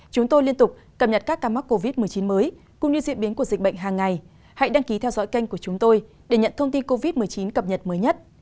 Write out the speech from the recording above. các bạn hãy đăng ký kênh của chúng tôi để nhận thông tin cập nhật mới nhất